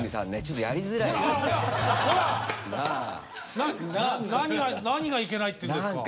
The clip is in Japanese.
何がいけないっていうんですか。